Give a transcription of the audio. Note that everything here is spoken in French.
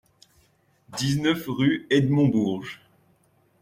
dix-neuf rue Edmond Bourges